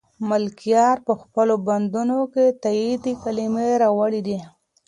ملکیار په خپلو بندونو کې تاکېدي کلمې راوړي دي.